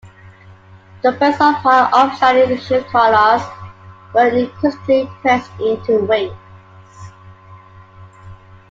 The points of high upstanding shirt collars were increasingly pressed into "wings".